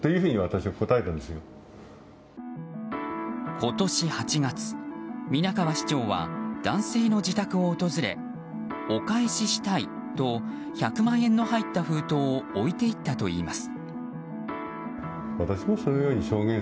今年８月、皆川市長は男性の自宅を訪れお返ししたいと１００万円の入った封筒を置いていったといいます。